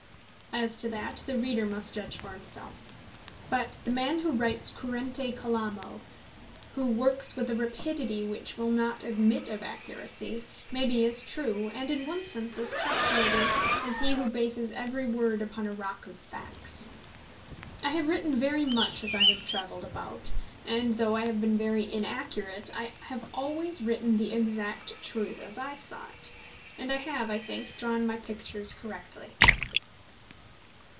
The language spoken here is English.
As to that, the reader must judge for himself. But the man who writes currente calamo, who works with a rapidity which will not admit of accuracy, may be as true, and in one sense as trustworthy, as he who bases every word upon a rock of facts. I have written very much as I have travelled about; and though I have been very inaccurate, I have always written the exact truth as I saw it; and I have, I think, drawn my pictures correctly.